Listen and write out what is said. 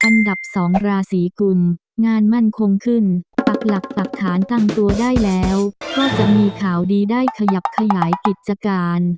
อันดับ๒ราศีกุลงานมั่นคงขึ้นปักหลักปักฐานตั้งตัวได้แล้วก็จะมีข่าวดีได้ขยับขยายกิจการ